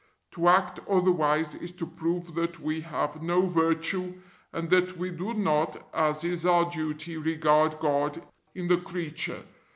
To act otherwise is to prove that we have no virtue and that we do not, as is our duty, regard God in the creature.